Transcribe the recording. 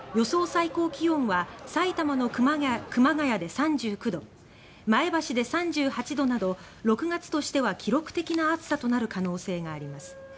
最高気温は埼玉の熊谷で３９度前橋で３８度など６月としては記録的な暑さとなる可能性があります。